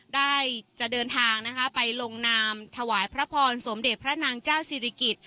ได้จะเดินทางนะคะไปลงนามถวายพระพรสมเด็จพระนางเจ้าศิริกิจ